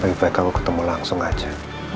lebih baik kamu ketemu langsung aja